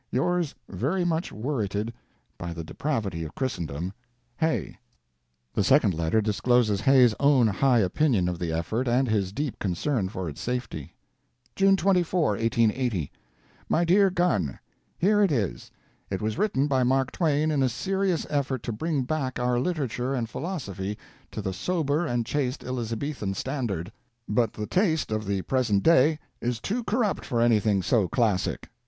Yours, very much worritted by the depravity of Christendom, Hay The second letter discloses Hay's own high opinion of the effort and his deep concern for its safety. June 24, 1880 My dear Gunn: Here it is. It was written by Mark Twain in a serious effort to bring back our literature and philosophy to the sober and chaste Elizabethan standard. But the taste of the present day is too corrupt for anything so classic.